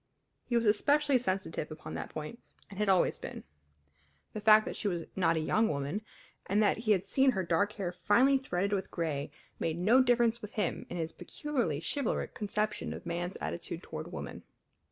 He was especially sensitive upon that point, and had always been. The fact that she was not a young woman, and that he had seen her dark hair finely threaded with gray, made no difference with him in his peculiarly chivalric conception of man's attitude toward woman.